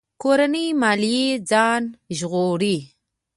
کورنۍ ماليې ځان ژغوري.